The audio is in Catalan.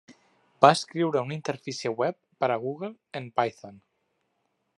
Va escriure una interfície web per a Google en Python.